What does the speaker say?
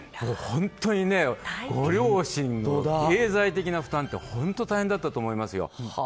本当にねご両親の経済的な負担って本当大変だったと思いますよ。